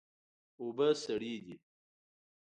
اوبه سړې دي